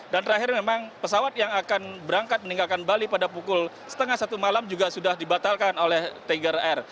dan terakhir memang pesawat yang akan berangkat meninggalkan bali pada pukul setengah satu malam juga sudah dibatalkan oleh tiger air